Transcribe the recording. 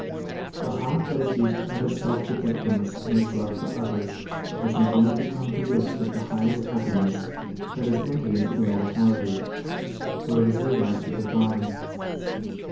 The heart that has reached utter self forgetfulness in its love for others has not only become possessed of the highest happiness but has entered into immortality, for it has realized the Divine.